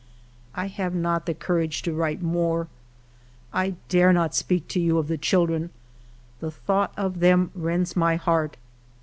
" I have not the courage to write more. I dare not speak to you of the children ; the thought of them rends my heart.